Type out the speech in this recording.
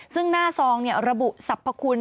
ซึ่งหน้าซองระบุสรรพคุณ